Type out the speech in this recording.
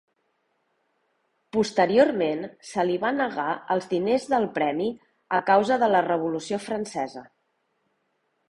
Posteriorment se li va negar els diners del premi a causa de la Revolució Francesa.